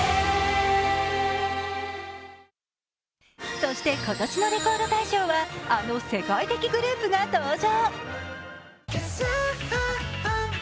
そして今年の「レコード大賞」はあの世界的グループが登場。